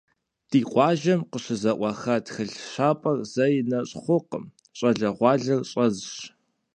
Ди къуажэм къыщызэӏуаха тхылъ щапӏэр зэи нэщӏ хъуркъым, щӏалэгъуалэр щӏэзщ.